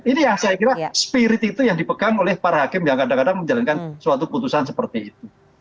ini yang saya kira spirit itu yang dipegang oleh para hakim yang kadang kadang menjalankan suatu putusan seperti itu